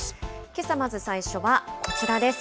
けさ、まず最初はこちらです。